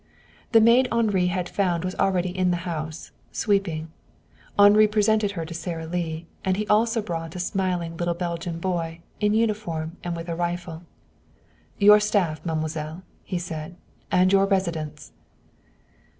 The maid Henri had found was already in the house, sweeping. Henri presented her to Sara Lee, and he also brought a smiling little Belgian boy, in uniform and with a rifle. "Your staff, mademoiselle!" he said. "And your residence!"